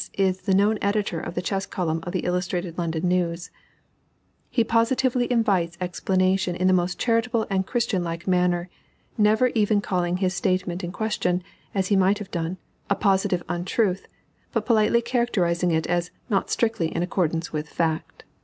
is the known editor of the chess column of the Illustrated London News. He positively invites explanation in the most charitable and Christian like manner; never even calling the statement in question, as he might have done, a positive untruth, but politely characterizing it as "not strictly in accordance with fact."